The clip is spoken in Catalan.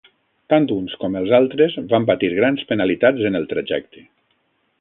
Tant uns com els altres van patir grans penalitats en el trajecte.